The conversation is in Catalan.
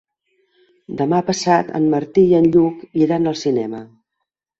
Demà passat en Martí i en Lluc iran al cinema.